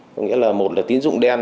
có nghĩa là một là tín dụng đen